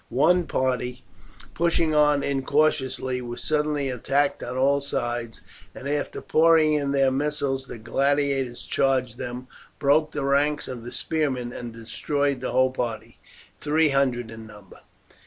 One party, pushing on incautiously, was suddenly attacked on all sides, and after pouring in their missiles the gladiators charged them, broke the ranks of the spearmen, and destroyed the whole party, three hundred in number.